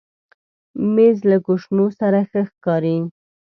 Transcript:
مېز له کوشنو سره ښه ښکاري.